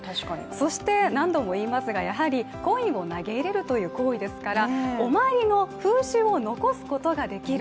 そして何度もいいますがやはりコインを投げ入れるという行為ですからお参りの風習を残すことができる。